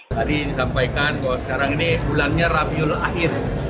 tadi disampaikan bahwa sekarang ini bulannya rabiul akhir